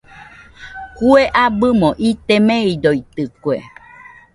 Kue abɨmo ite meidoitɨkue.